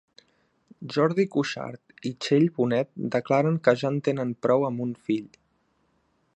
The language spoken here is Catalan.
Jordi Cuixart i Txell Bonet declaren que ja en tenen prou amb un fill